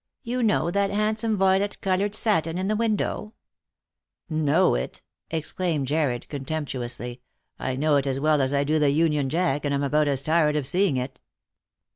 You know that handsome voylet coloured satin in the window ?"" Know it !" exclaimed Jarred contemptuously ;" I know it as well as I do the union jack, and am about as tired of seeing it."